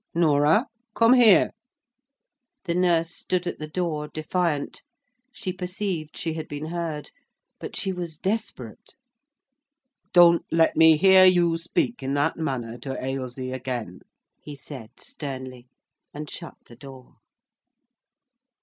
"Norah, come here!" The nurse stood at the door, defiant. She perceived she had been heard, but she was desperate. "Don't let me hear you speak in that manner to Ailsie again," he said sternly, and shut the door.